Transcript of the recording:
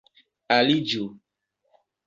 aliĝu